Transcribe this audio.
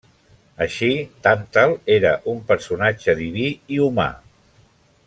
Així, Tàntal era un personatge diví i humà.